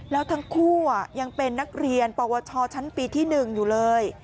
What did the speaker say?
แล้วทั้งคู่ยังเป็นนักเรียนปวชชั้นปีที่๑อยู่เลย